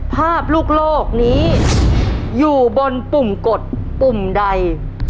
ภาพลูกโลกนี้อยู่บนปุ่มกดปุ่มใด